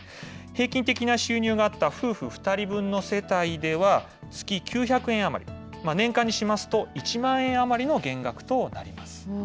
平均的な収入があった夫婦２人分の世帯では月９００円余り、年間にしますと、１万円余りの減額となります。